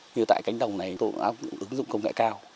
như tại cánh đồng này tôi ứng dụng công nghệ cao